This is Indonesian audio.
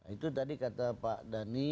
itu tadi kata pak dhani